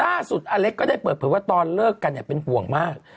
ล่าสุดอเล็กซ์ก็ได้เปิดเผยว่าตอนเลิกกันเป็นห่วงมาก